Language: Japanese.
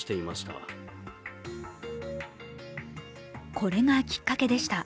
これがきっかけでした。